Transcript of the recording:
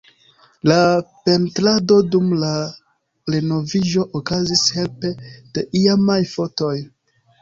La pentrado dum la renoviĝo okazis helpe de iamaj fotoj.